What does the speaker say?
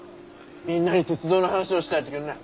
みんなに鉄道の話をしてやってくんない。